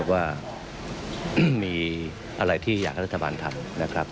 ว่ามีอะไรที่อยากให้รัฐบาลทำนะครับ